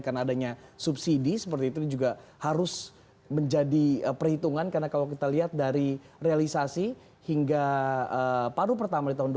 karena adanya subsidi seperti itu juga harus menjadi perhitungan karena kalau kita lihat dari realisasi hingga padu pertama di tahun dua ribu delapan belas